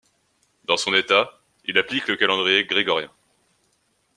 Dans son État, il applique le calendrier grégorien.